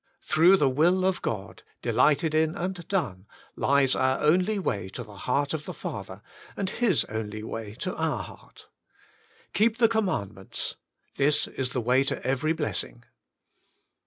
Through the Will op God, Delighted in, and Done, Lies Our only Way to the Heart of the Father, and His only Way to Our Heart. Keep the Command ments : this is the way to every blessing.